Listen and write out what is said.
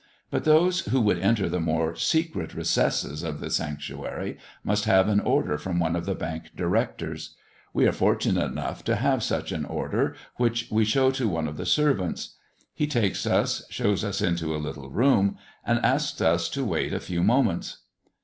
But those who would enter the more secret recesses of the sanctuary, must have an order from one of the Bank Directors. We are fortunate enough to have such an order, which we show to one of the servants. He takes us, shows us into a little room, and asks us to wait a few moments.